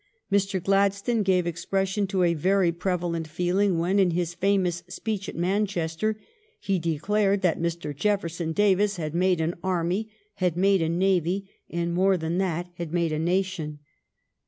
Mr. Gladstone gave expression to a very prevalent feeling, when, in his famous speech at Manchester, he declared that Mr. Jefferson Davis had made an army, had made a navy, and, more than that, had made a nation.